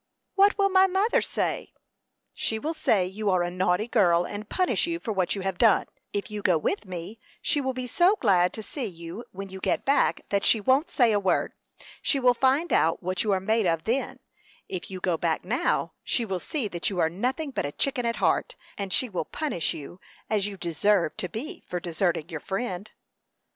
"What will my mother say?" "She will say you are a naughty girl, and punish you for what you have done. If you go with me, she will be so glad to see you when you get back, that she won't say a word. She will find out what you are made of then; if you go back now, she will see that you are nothing but a chicken at heart, and she will punish you, as you deserve to be for deserting your friend."